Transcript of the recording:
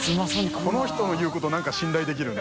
この人の言うこと何か信頼できるな。